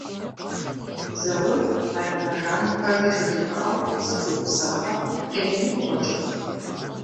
Зэур Алмэжан пэжыр жримыӏэу пцӏы хуиупсамэ, къелыну къыщӏэкӏынт.